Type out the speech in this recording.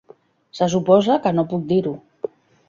Se suposa que no puc dir-ho.